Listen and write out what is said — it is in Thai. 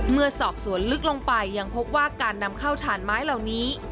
เมื่อสอบสวนลึกลงไปยังพบว่าการนำเข้าฐานไม้เหล่านี้